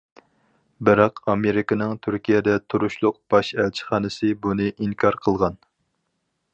بىراق ئامېرىكىنىڭ تۈركىيەدە تۇرۇشلۇق باش ئەلچىخانىسى بۇنى ئىنكار قىلغان.